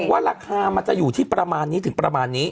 ว่าราคามันจะอยู่ที่ประมาณนี้ถึงประมาณนี้